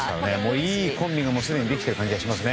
いいコンビがすでにできている感じがしますね。